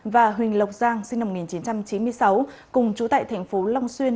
và huỳnh lộc giang sinh năm một nghìn chín trăm chín mươi sáu cùng trú tại thành phố long xuyên